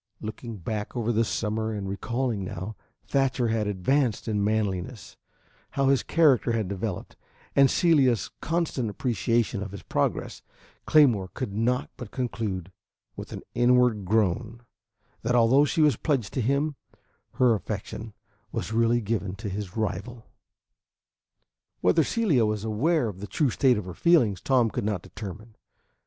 Looking back over the summer and recalling how Thatcher had advanced in manliness, how his character had developed, and Celia's constant appreciation of his progress, Claymore could not but conclude, with an inward groan, that although she was pledged to him, her affection was really given to his rival. Whether Celia was aware of the true state of her feelings, Tom could not determine.